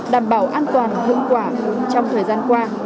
đảm bảo an toàn hiệu quả trong thời gian qua